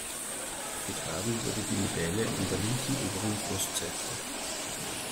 Getragen wurde die Medaille an der linken oberen Brustseite.